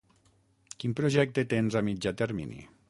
Quin projecte tens a mitjà termini?